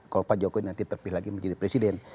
kalau pak joko nanti terpih lagi menjadi presiden